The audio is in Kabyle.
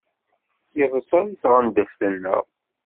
Yeḍsa deg tɣendeft-nneɣ.